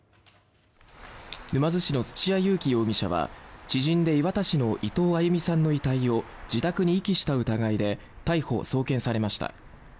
沼津市の土屋勇貴容疑者は知人で磐田市の伊藤亜佑美さんの遺体を自宅に遺棄した疑いで逮捕・送検されました。